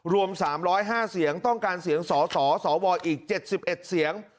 รวม๓๐๕เสียงต้องการเสียงสสวอีก๗๑เสียง